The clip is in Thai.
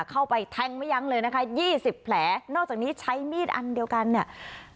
เข้าไปแทงไม่ยั้งเลยนะคะยี่สิบแผลนอกจากนี้ใช้มีดอันเดียวกันเนี่ย